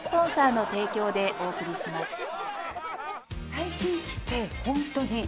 最近来て本当に。